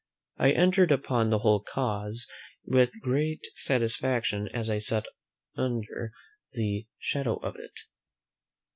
I entered upon the whole cause with great satisfaction as I sat under the shadow of it.